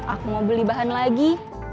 aku mau beli bahan lagi